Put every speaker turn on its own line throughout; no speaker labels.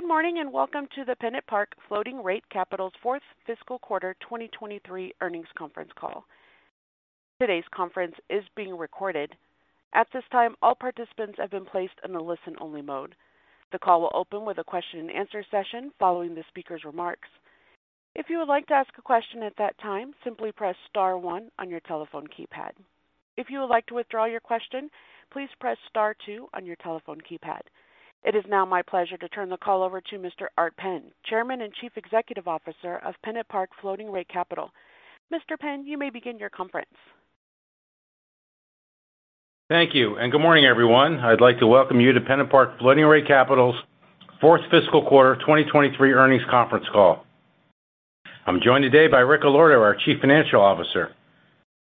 Good morning, and welcome to the PennantPark Floating Rate Capital's fourth fiscal quarter 2023 earnings conference call. Today's conference is being recorded. At this time, all participants have been placed in a listen-only mode. The call will open with a question-and-answer session following the speaker's remarks. If you would like to ask a question at that time, simply press star one on your telephone keypad. If you would like to withdraw your question, please press star two on your telephone keypad. It is now my pleasure to turn the call over to Mr. Art Penn, Chairman and Chief Executive Officer of PennantPark Floating Rate Capital. Mr. Penn, you may begin your conference.
Thank you, and good morning, everyone. I'd like to welcome you to PennantPark Floating Rate Capital's fourth fiscal quarter 2023 earnings conference call. I'm joined today by Rick Allorto, our Chief Financial Officer.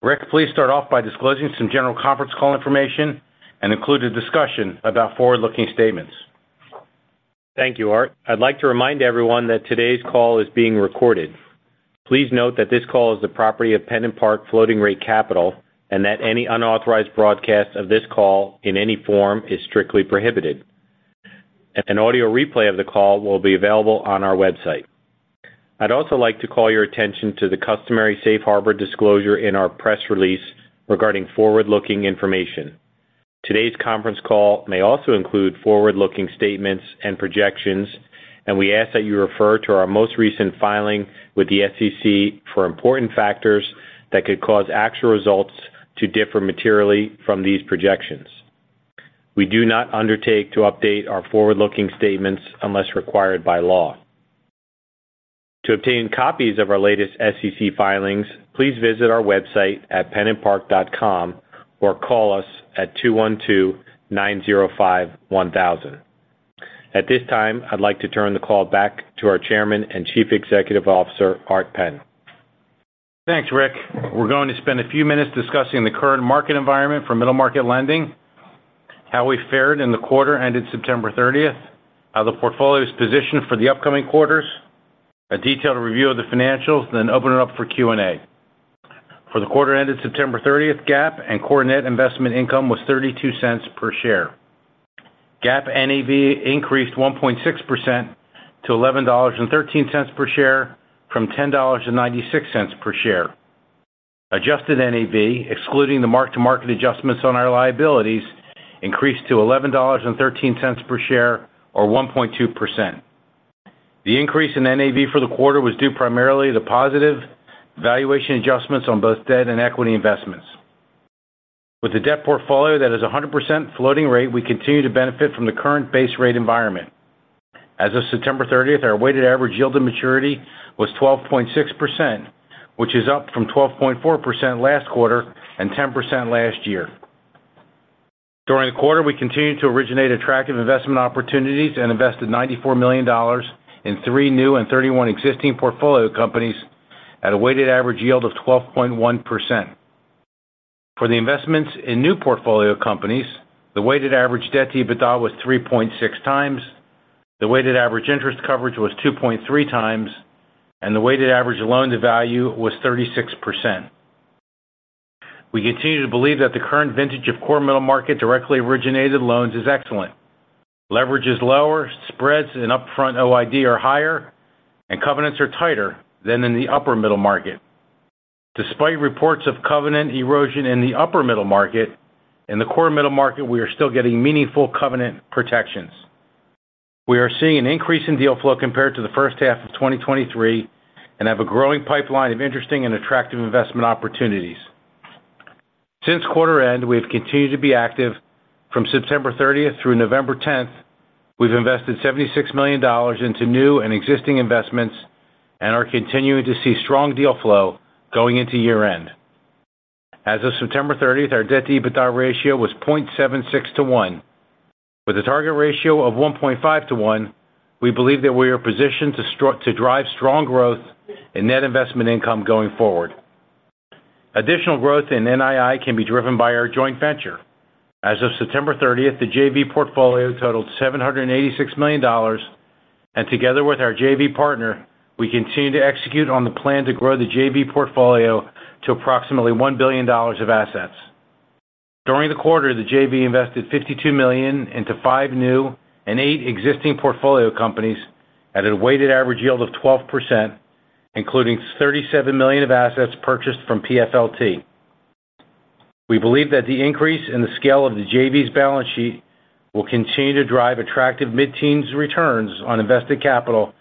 Rick, please start off by disclosing some general conference call information and include a discussion about forward-looking statements.
Thank you, Art. I'd like to remind everyone that today's call is being recorded. Please note that this call is the property of PennantPark Floating Rate Capital and that any unauthorized broadcast of this call in any form is strictly prohibited. An audio replay of the call will be available on our website. I'd also like to call your attention to the customary safe harbor disclosure in our press release regarding forward-looking information. Today's conference call may also include forward-looking statements and projections, and we ask that you refer to our most recent filing with the SEC for important factors that could cause actual results to differ materially from these projections. We do not undertake to update our forward-looking statements unless required by law. To obtain copies of our latest SEC filings, please visit our website at pennantpark.com or call us at 212-905-1000. At this time, I'd like to turn the call back to our Chairman and Chief Executive Officer, Art Penn.
Thanks, Rick. We're going to spend a few minutes discussing the current market environment for middle-market lending, how we fared in the quarter ended September 30, how the portfolio is positioned for the upcoming quarters, a detailed review of the financials, then open it up for Q&A. For the quarter ended September 30, GAAP and core net investment income was $0.32 per share. GAAP NAV increased 1.6% to $11.13 per share, from $10.96 per share. Adjusted NAV, excluding the mark-to-market adjustments on our liabilities, increased to $11.13 per share, or 1.2%. The increase in NAV for the quarter was due primarily to positive valuation adjustments on both debt and equity investments. With the debt portfolio that is 100% floating rate, we continue to benefit from the current base rate environment. As of September thirtieth, our weighted average yield to maturity was 12.6%, which is up from 12.4% last quarter and 10% last year. During the quarter, we continued to originate attractive investment opportunities and invested $94 million in 3 new and 31 existing portfolio companies at a weighted average yield of 12.1%. For the investments in new portfolio companies, the weighted average debt-to-EBITDA was 3.6x, the weighted average interest coverage was 2.3x, and the weighted average loan-to-value was 36%. We continue to believe that the current vintage of core middle market directly originated loans is excellent. Leverage is lower, spreads and upfront OID are higher, and covenants are tighter than in the upper middle market. Despite reports of covenant erosion in the upper middle market, in the core middle market, we are still getting meaningful covenant protections. We are seeing an increase in deal flow compared to the first half of 2023 and have a growing pipeline of interesting and attractive investment opportunities. Since quarter end, we have continued to be active. From September thirtieth through November tenth, we've invested $76 million into new and existing investments and are continuing to see strong deal flow going into year-end. As of September thirtieth, our debt-to-EBITDA ratio was 0.76 to 1. With a target ratio of 1.5 to 1, we believe that we are positioned to drive strong growth in net investment income going forward. Additional growth in NII can be driven by our joint venture. As of September 30, the JV portfolio totaled $786 million, and together with our JV partner, we continue to execute on the plan to grow the JV portfolio to approximately $1 billion of assets. During the quarter, the JV invested $52 million into 5 new and 8 existing portfolio companies at a weighted average yield of 12%, including $37 million of assets purchased from PFLT. We believe that the increase in the scale of the JV's balance sheet will continue to drive attractive mid-teen returns on invested capital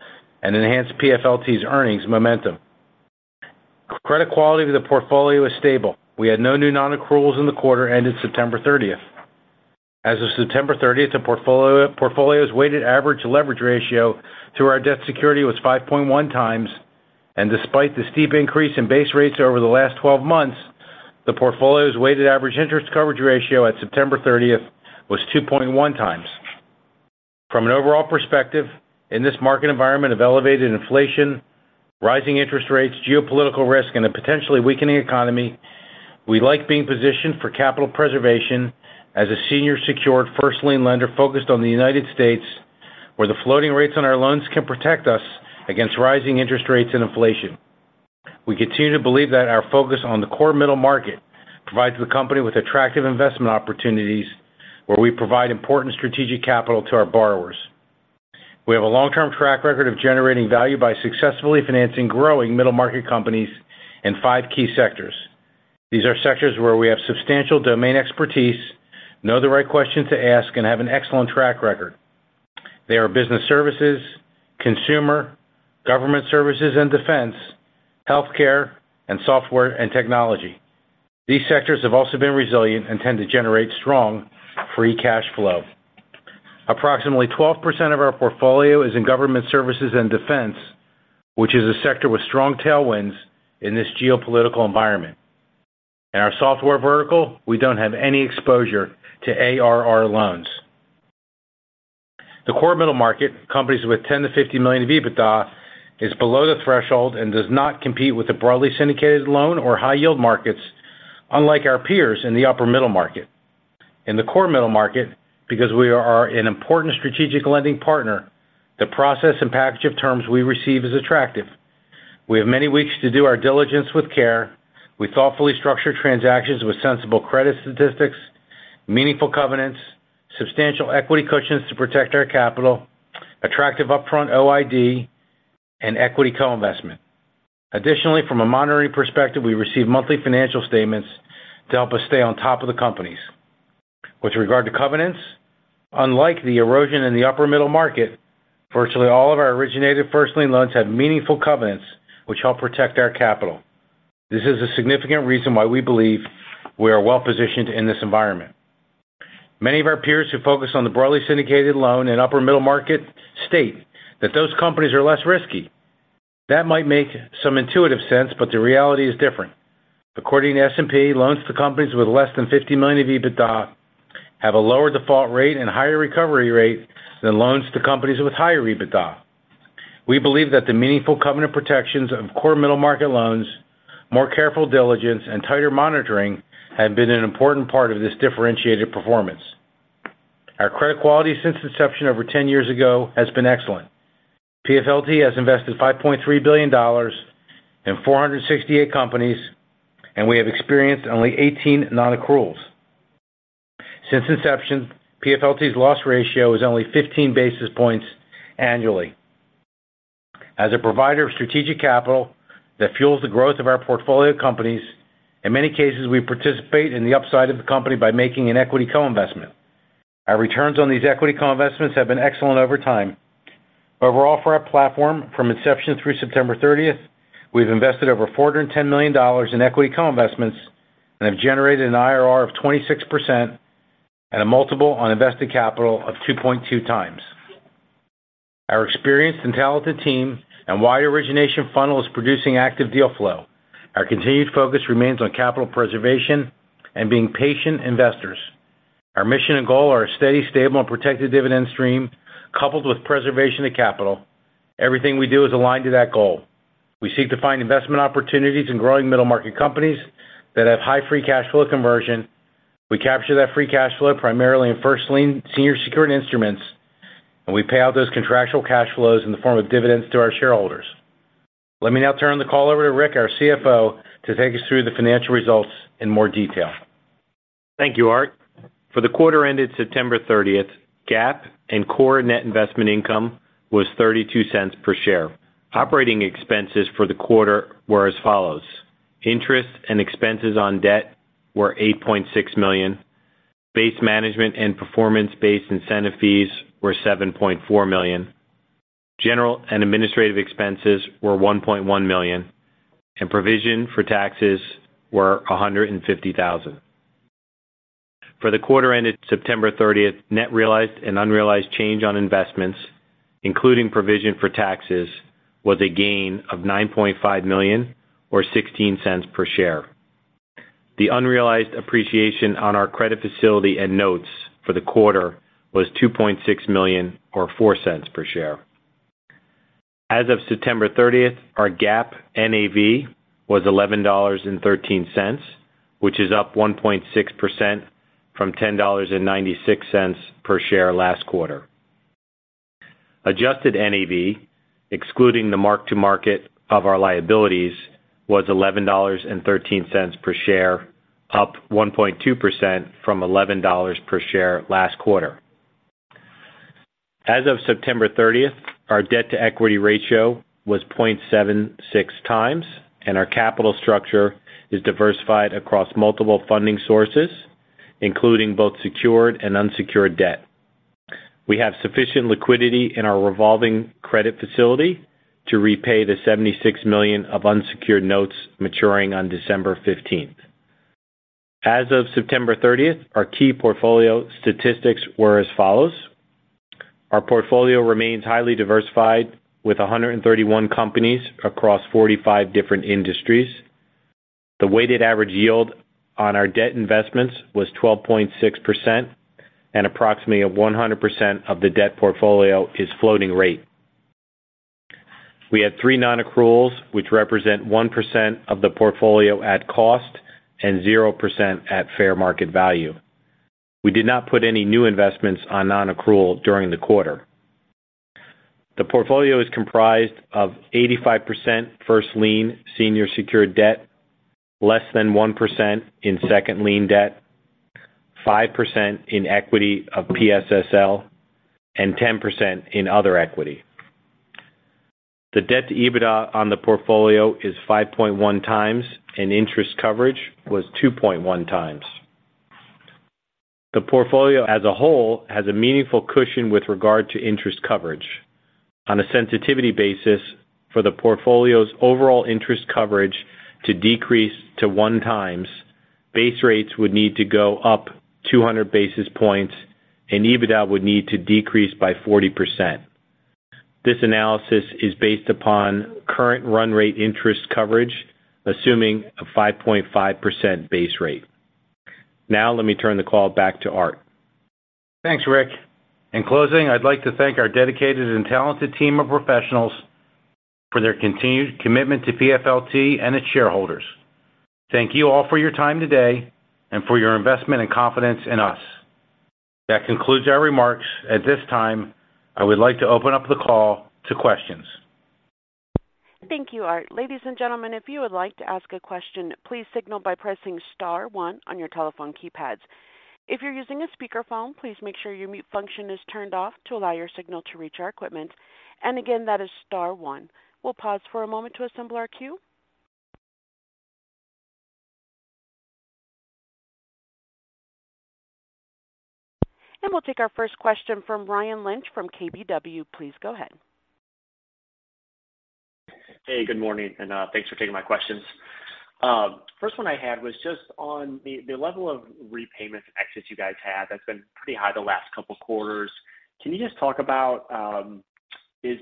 and enhance PFLT's earnings momentum. Credit quality of the portfolio is stable. We had no new non-accruals in the quarter ended September 30. As of September thirtieth, the portfolio's weighted average leverage ratio to our debt security was 5.1 times, and despite the steep increase in base rates over the last 12 months, the portfolio's weighted average interest coverage ratio at September thirtieth was 2.1 times. From an overall perspective, in this market environment of elevated inflation, rising interest rates, geopolitical risk, and a potentially weakening economy, we like being positioned for capital preservation as a senior secured first lien lender focused on the United States, where the floating rates on our loans can protect us against rising interest rates and inflation.... We continue to believe that our focus on the core middle market provides the company with attractive investment opportunities, where we provide important strategic capital to our borrowers. We have a long-term track record of generating value by successfully financing growing middle-market companies in five key sectors. These are sectors where we have substantial domain expertise, know the right questions to ask, and have an excellent track record. They are business services, consumer, government services and defense, healthcare, and software and technology. These sectors have also been resilient and tend to generate strong free cash flow. Approximately 12% of our portfolio is in government services and defense, which is a sector with strong tailwinds in this geopolitical environment. In our software vertical, we don't have any exposure to ARR loans. The core middle market, companies with 10-50 million of EBITDA, is below the threshold and does not compete with the broadly syndicated loan or high-yield markets, unlike our peers in the upper middle market. In the core middle market, because we are an important strategic lending partner, the process and package of terms we receive is attractive. We have many weeks to do our diligence with care. We thoughtfully structure transactions with sensible credit statistics, meaningful covenants, substantial equity cushions to protect our capital, attractive upfront OID, and equity co-investment. Additionally, from a monitoring perspective, we receive monthly financial statements to help us stay on top of the companies. With regard to covenants, unlike the erosion in the upper middle market, virtually all of our originated first lien loans have meaningful covenants, which help protect our capital. This is a significant reason why we believe we are well-positioned in this environment. Many of our peers who focus on the broadly syndicated loan and upper middle market state that those companies are less risky. That might make some intuitive sense, but the reality is different. According to S&P, loans to companies with less than $50 million of EBITDA have a lower default rate and higher recovery rate than loans to companies with higher EBITDA. We believe that the meaningful covenant protections of core middle-market loans, more careful diligence, and tighter monitoring have been an important part of this differentiated performance. Our credit quality since inception over 10 years ago has been excellent. PFLT has invested $5.3 billion in 468 companies, and we have experienced only 18 non-accruals. Since inception, PFLT's loss ratio is only 15 basis points annually. As a provider of strategic capital that fuels the growth of our portfolio companies, in many cases, we participate in the upside of the company by making an equity co-investment. Our returns on these equity co-investments have been excellent over time. Overall, for our platform, from inception through September 30, we've invested over $410 million in equity co-investments and have generated an IRR of 26% and a multiple on invested capital of 2.2x. Our experienced and talented team and wide origination funnel is producing active deal flow. Our continued focus remains on capital preservation and being patient investors. Our mission and goal are a steady, stable, and protected dividend stream, coupled with preservation of capital. Everything we do is aligned to that goal. We seek to find investment opportunities in growing middle-market companies that have high free cash flow conversion. We capture that free cash flow primarily in first lien senior secured instruments, and we pay out those contractual cash flows in the form of dividends to our shareholders. Let me now turn the call over to Rick, our CFO, to take us through the financial results in more detail.
Thank you, Art. For the quarter ended September 30, GAAP and core net investment income was $0.32 per share. Operating expenses for the quarter were as follows: interest and expenses on debt were $8.6 million, base management and performance-based incentive fees were $7.4 million, general and administrative expenses were $1.1 million, and provision for taxes were $150,000. For the quarter ended September 30, net realized and unrealized change on investments, including provision for taxes, was a gain of $9.5 million or $0.16 per share. The unrealized appreciation on our credit facility and notes for the quarter was $2.6 million or $0.04 per share. As of September 30, our GAAP NAV was $11.13, which is up 1.6% from $10.96 per share last quarter. Adjusted NAV, excluding the mark-to-market of our liabilities, was $11.13 per share, up 1.2% from $11 per share last quarter. As of September 30, our debt-to-equity ratio was 0.76x, and our capital structure is diversified across multiple funding sources, including both secured and unsecured debt. We have sufficient liquidity in our revolving credit facility to repay the $76 million of unsecured notes maturing on December 15. As of September 30, our key portfolio statistics were as follows: Our portfolio remains highly diversified, with 131 companies across 45 different industries. The weighted average yield on our debt investments was 12.6%, and approximately 100% of the debt portfolio is floating rate. We had three non-accruals, which represent 1% of the portfolio at cost and 0% at fair market value. We did not put any new investments on non-accrual during the quarter.
...The portfolio is comprised of 85% first lien senior secured debt, less than 1% in second lien debt, 5% in equity of PSSL, and 10% in other equity. The debt to EBITDA on the portfolio is 5.1 times, and interest coverage was 2.1 times. The portfolio as a whole has a meaningful cushion with regard to interest coverage. On a sensitivity basis, for the portfolio's overall interest coverage to decrease to 1 time, base rates would need to go up 200 basis points, and EBITDA would need to decrease by 40%. This analysis is based upon current run rate interest coverage, assuming a 5.5% base rate. Now, let me turn the call back to Art. Thanks, Rick. In closing, I'd like to thank our dedicated and talented team of professionals for their continued commitment to PFLT and its shareholders. Thank you all for your time today and for your investment and confidence in us. That concludes our remarks. At this time, I would like to open up the call to questions.
Thank you, Art. Ladies and gentlemen, if you would like to ask a question, please signal by pressing star one on your telephone keypads. If you're using a speakerphone, please make sure your mute function is turned off to allow your signal to reach our equipment. And again, that is star one. We'll pause for a moment to assemble our queue. And we'll take our first question from Ryan Lynch from KBW. Please go ahead.
Hey, good morning, and, thanks for taking my questions. First one I had was just on the level of repayments exits you guys had. That's been pretty high the last couple of quarters. Can you just talk about, is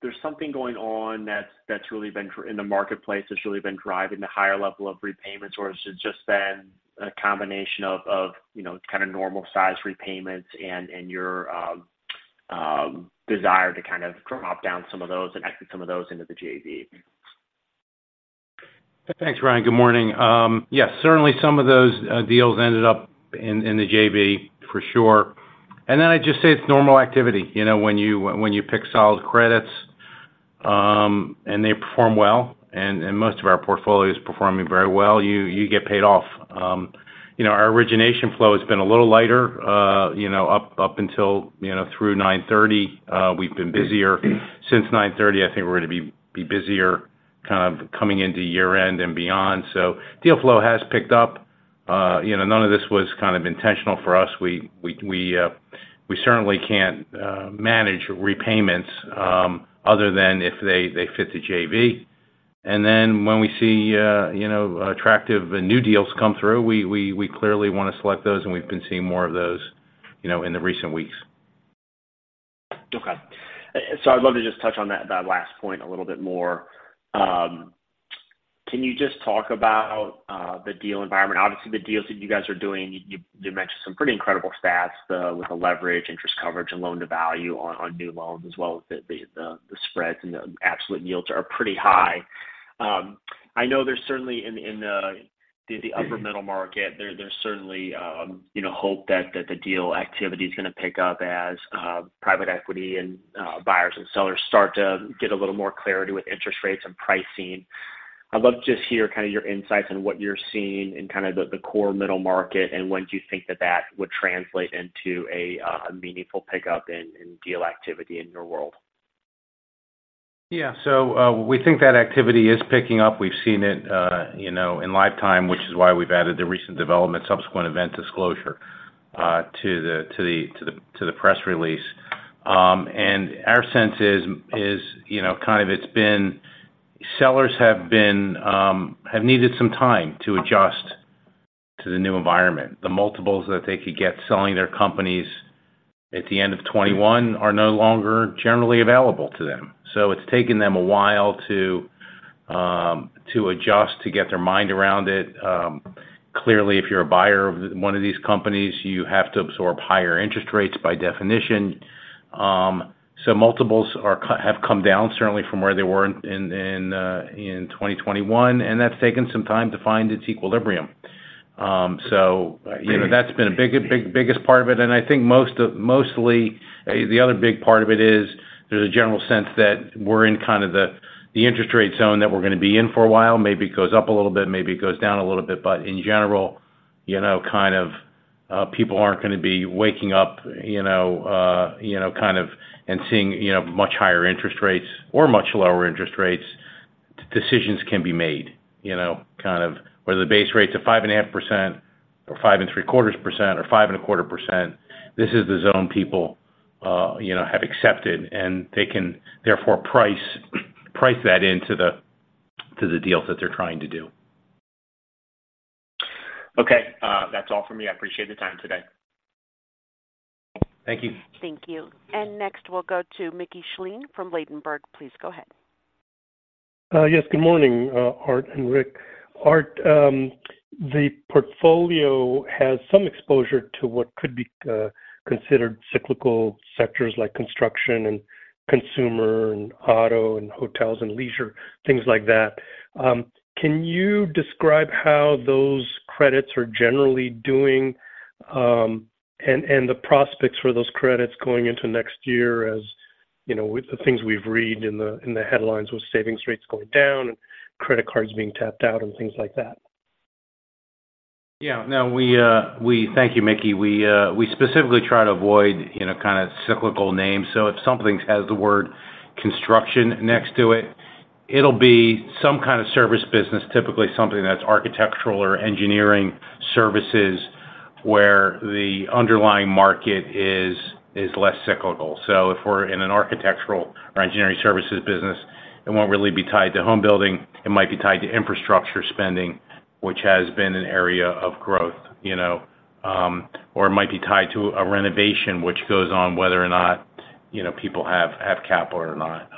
there something going on that's really been driving the higher level of repayments, or has it just been a combination of, you know, kind of normal-sized repayments and, and your desire to kind of drop down some of those and exit some of those into the JV?
Thanks, Ryan. Good morning. Yes, certainly, some of those deals ended up in the JV for sure. And then I'd just say it's normal activity. You know, when you pick solid credits, and they perform well, and most of our portfolio is performing very well, you get paid off. You know, our origination flow has been a little lighter, you know, up until through nine thirty. We've been busier since nine thirty. I think we're going to be busier kind of coming into year-end and beyond. So deal flow has picked up. You know, none of this was kind of intentional for us. We certainly can't manage repayments, other than if they fit the JV. And then when we see, you know, attractive new deals come through, we clearly want to select those, and we've been seeing more of those, you know, in the recent weeks.
Okay. So I'd love to just touch on that, that last point a little bit more. Can you just talk about the deal environment? Obviously, the deals that you guys are doing, you mentioned some pretty incredible stats with the leverage, interest coverage, and loan-to-value on new loans, as well as the spreads and the absolute yields are pretty high. I know there's certainly, in the upper middle market, there's certainly, you know, hope that the deal activity is going to pick up as private equity and buyers and sellers start to get a little more clarity with interest rates and pricing. I'd love to just hear kind of your insights on what you're seeing in kind of the core middle market and when do you think that would translate into a meaningful pickup in deal activity in your world?
Yeah. So, we think that activity is picking up. We've seen it, you know, in light of it, which is why we've added the recent development subsequent event disclosure to the press release. And our sense is, you know, kind of it's been. Sellers have needed some time to adjust to the new environment. The multiples that they could get selling their companies at the end of 2021 are no longer generally available to them. So it's taken them a while to adjust, to get their mind around it. Clearly, if you're a buyer of one of these companies, you have to absorb higher interest rates by definition. So multiples have come down certainly from where they were in 2021, and that's taken some time to find its equilibrium. So, you know, that's been a big, big, biggest part of it, and I think mostly the other big part of it is there's a general sense that we're in kind of the interest rate zone that we're going to be in for a while. Maybe it goes up a little bit, maybe it goes down a little bit, but in general, you know, kind of, you know, kind of, and seeing, you know, much higher interest rates or much lower interest rates. Decisions can be made, you know, kind of whether the base rate is 5.5% or 5.75%, or 5.25%. This is the zone people, you know, have accepted, and they can therefore price, price that into the, to the deals that they're trying to do.
Okay, that's all for me. I appreciate the time today.
Thank you.
Thank you. Next, we'll go to Mickey Schleien from Ladenburg. Please go ahead.
Yes, good morning, Art and Rick. Art, the portfolio has some exposure to what could be considered cyclical sectors like construction and consumer and auto and hotels and leisure, things like that. Can you describe how those credits are generally doing and the prospects for those credits going into next year, as you know, with the things we've read in the headlines, with savings rates going down and credit cards being tapped out and things like that.
Yeah. No, we thank you, Mickey. We specifically try to avoid, you know, kind of cyclical names. So if something has the word construction next to it, it'll be some kind of service business, typically something that's architectural or engineering services, where the underlying market is less cyclical. So if we're in an architectural or engineering services business, it won't really be tied to home building. It might be tied to infrastructure spending, which has been an area of growth, you know, or it might be tied to a renovation, which goes on whether or not, you know, people have capital or not.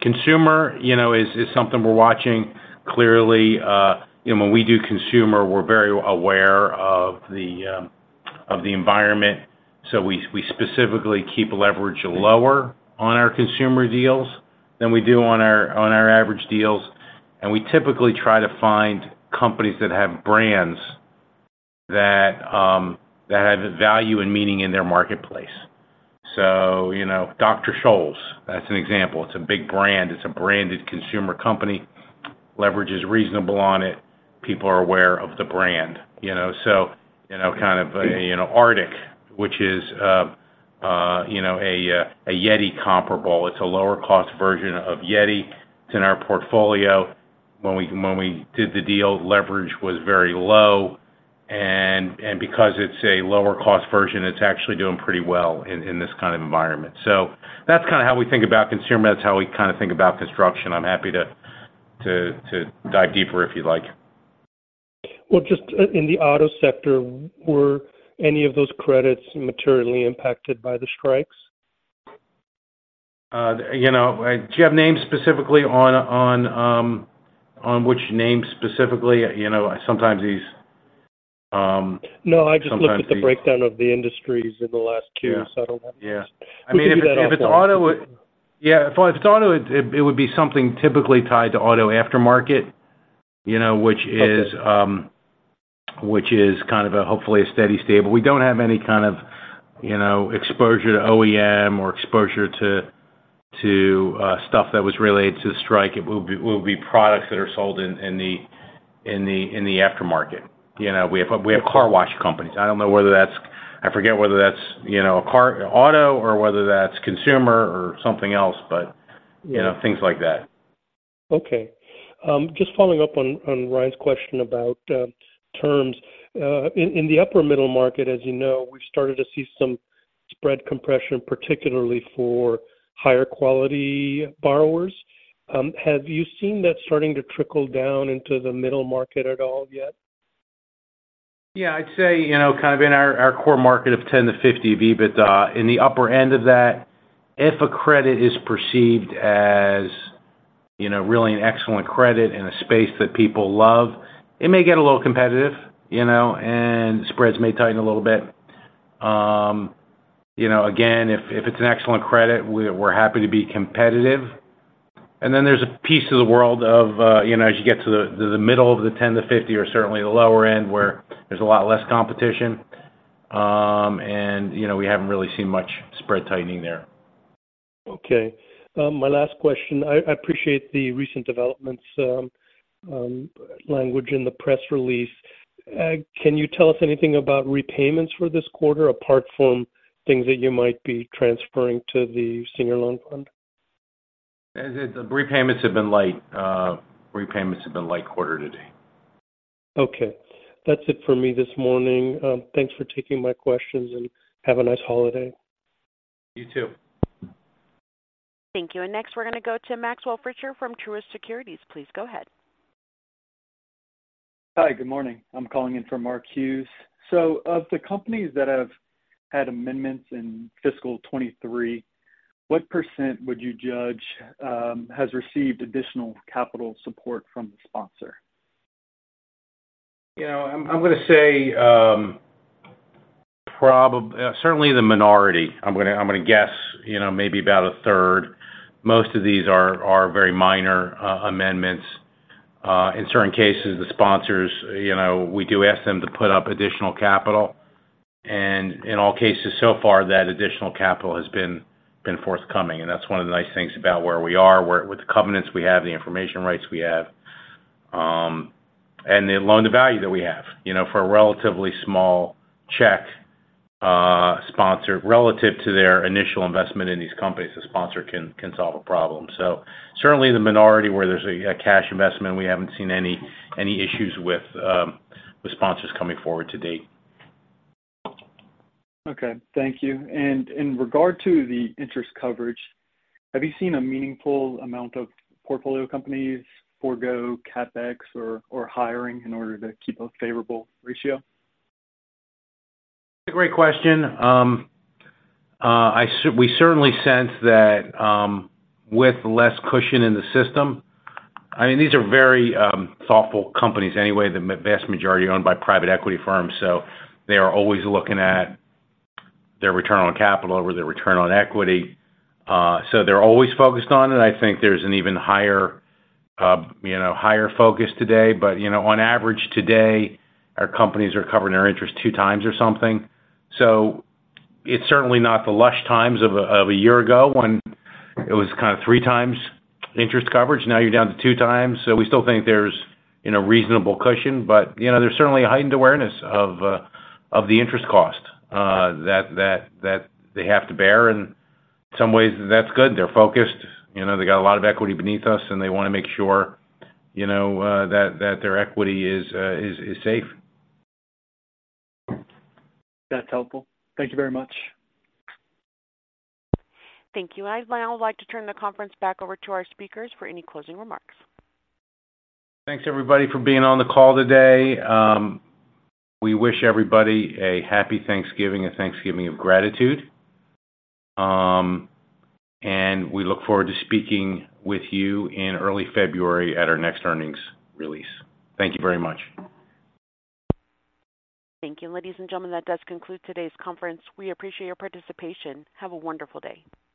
Consumer, you know, is something we're watching clearly. You know, when we do consumer, we're very aware of the environment. So we specifically keep leverage lower on our consumer deals than we do on our average deals. And we typically try to find companies that have brands that have value and meaning in their marketplace. So, you know, Dr. Scholl's, that's an example. It's a big brand. It's a branded consumer company. Leverage is reasonable on it. People are aware of the brand, you know? So, you know, kind of, you know, RTIC, which is, you know, a YETI comparable. It's a lower-cost version of YETI. It's in our portfolio. When we did the deal, leverage was very low, and because it's a lower-cost version, it's actually doing pretty well in this kind of environment. So that's kinda how we think about consumer. That's how we kinda think about construction. I'm happy to dive deeper, if you'd like.
Well, just in the auto sector, were any of those credits materially impacted by the strikes?
You know, do you have names specifically on which names specifically? You know, sometimes these
No, I just looked at the breakdown of the industries in the last 2 settlements.
Yeah. I mean, if it's auto, yeah, it would be something typically tied to auto aftermarket, you know, which is,
Okay.
-which is kind of a, hopefully, a steady state, but we don't have any kind of, you know, exposure to OEM or exposure to stuff that was related to the strike. It will be products that are sold in the aftermarket. You know, we have car wash companies. I don't know whether that's... I forget whether that's, you know, a car auto or whether that's consumer or something else, but-
Yeah.
You know, things like that.
Okay. Just following up on Ryan's question about terms. In the upper middle market, as you know, we've started to see some spread compression, particularly for higher quality borrowers. Have you seen that starting to trickle down into the middle market at all yet?
Yeah, I'd say, you know, kind of in our, our core market of 10-50 of EBITDA, in the upper end of that, if a credit is perceived as, you know, really an excellent credit in a space that people love, it may get a little competitive, you know, and spreads may tighten a little bit. You know, again, if, if it's an excellent credit, we're, we're happy to be competitive. And then there's a piece of the world of, you know, as you get to the, the middle of the 10-50 or certainly the lower end, where there's a lot less competition, and, you know, we haven't really seen much spread tightening there.
Okay. My last question: I appreciate the recent developments, language in the press release. Can you tell us anything about repayments for this quarter, apart from things that you might be transferring to the senior loan fund?
As in the repayments have been light. Repayments have been light quarter to date.
Okay. That's it for me this morning. Thanks for taking my questions, and have a nice holiday.
You too.
Thank you. And next, we're going to go to Maxwell Fritscher from Truist Securities. Please go ahead.
Hi, good morning. I'm calling in from Mark Hughes. Of the companies that have had amendments in fiscal 2023, what % would you judge has received additional capital support from the sponsor?
You know, I'm going to say, certainly the minority. I'm gonna guess, you know, maybe about a third. Most of these are very minor amendments. In certain cases, the sponsors, you know, we do ask them to put up additional capital, and in all cases, so far, that additional capital has been forthcoming, and that's one of the nice things about where we are, where with the covenants we have, the information rights we have, and the loan-to-value that we have. You know, for a relatively small check, sponsor, relative to their initial investment in these companies, the sponsor can solve a problem. So certainly the minority, where there's a cash investment, we haven't seen any issues with sponsors coming forward to date.
Okay. Thank you. And in regard to the interest coverage, have you seen a meaningful amount of portfolio companies forgo CapEx or hiring in order to keep a favorable ratio?
Great question. We certainly sense that, with less cushion in the system... I mean, these are very thoughtful companies anyway, the vast majority owned by private equity firms, so they are always looking at their return on capital or their return on equity. So they're always focused on it. I think there's an even higher, you know, higher focus today, but, you know, on average, today, our companies are covering their interest two times or something. So it's certainly not the lush times of a year ago, when it was kind of three times interest coverage. Now you're down to two times. So we still think there's a reasonable cushion, but, you know, there's certainly a heightened awareness of the interest cost that they have to bear, and some ways that's good. They're focused. You know, they got a lot of equity beneath us, and they want to make sure, you know, that their equity is safe.
That's helpful. Thank you very much.
Thank you. I'd now like to turn the conference back over to our speakers for any closing remarks.
Thanks, everybody, for being on the call today. We wish everybody a happy Thanksgiving, a Thanksgiving of gratitude. We look forward to speaking with you in early February at our next earnings release. Thank you very much.
Thank you. Ladies and gentlemen, that does conclude today's conference. We appreciate your participation. Have a wonderful day.